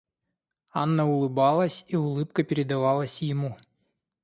Анна улыбалась, и улыбка передавалась ему.